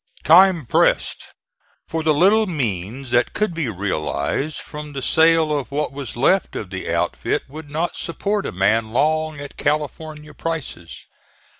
Time pressed, for the little means that could be realized from the sale of what was left of the outfit would not support a man long at California prices.